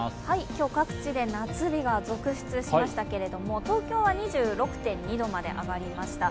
今日、各地で夏日が続出しましたけれども、東京は２６．２度まで上がりました。